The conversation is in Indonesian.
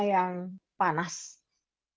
lontaran ini menganggap sebagai pola batas